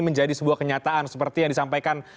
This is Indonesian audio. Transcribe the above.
menjadi sebuah kenyataan seperti yang disampaikan